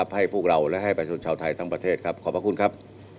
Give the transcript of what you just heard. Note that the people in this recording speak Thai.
ให้พวกเราและให้ประชุมชาวไทยทั้งประเทศขอบคุณครับ